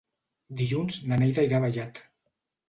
Dilluns na Neida irà a Vallat.